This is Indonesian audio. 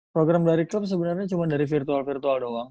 program dari klub sebenarnya cuma dari virtual virtual doang